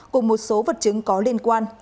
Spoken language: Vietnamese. cùng một số vật chứng có liên quan